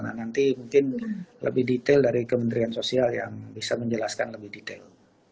karena nanti mungkin lebih detail dari kementerian sosial yang bisa menjelaskan lebih detail